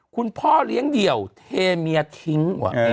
คุณพ่อเลี้ยงเดี่ยวเทเมียทิ้งว่ะ